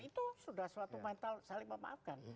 itu sudah suatu mental saling memaafkan